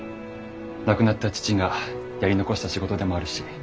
亡くなった父がやり残した仕事でもあるし。